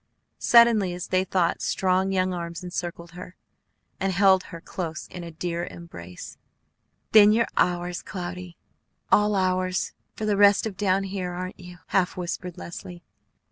Suddenly, as they thought, strong young arms encircled her, and held her close in a dear embrace. "Then you're ours, Cloudy, all ours, for the rest of down here, aren't you?" half whispered Leslie.